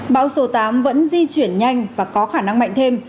bão số tám vẫn di chuyển nhanh và có khả năng mạnh thêm